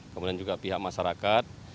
kemudian juga pihak masyarakat